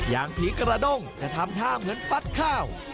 อย่างผีกระด้งจะทำท่าเหมือนฟัดข้าว